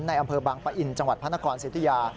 อำเภอบางปะอินจังหวัดพระนครสิทธิยา